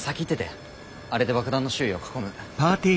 あれで爆弾の周囲を囲む。